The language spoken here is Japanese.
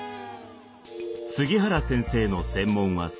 杉原先生の専門は数学。